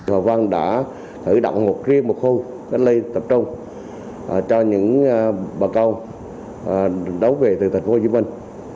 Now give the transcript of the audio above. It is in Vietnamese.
hòa văn đã thử động một riêng một khu cách ly tập trung cho những bà con đấu về từ thành phố hồ chí minh